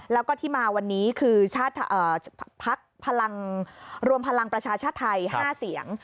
แล้วก็ที่มาวันนี้คือพักพลังรวมพลังประชาชาติไทย๕เสียง